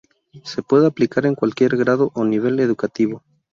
Se puede aplicar en cualquier grado o nivel educativo.